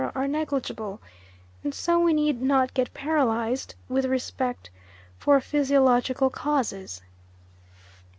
are negligible, and so we need not get paralysed with respect for "physiological causes."